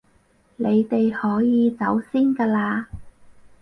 你哋可以走先㗎喇